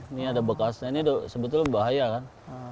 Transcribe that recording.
ini ada bekasnya ini sebetulnya bahaya kan